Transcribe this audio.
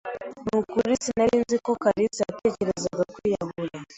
Nukuri sinari nzi ko kalisa yatekerezaga kwiyahura.